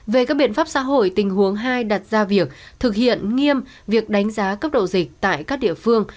về các biện pháp xã hội tình huống hai đặt ra việc thực hiện nghiêm việc đánh giá cấp độ dịch tại các địa phương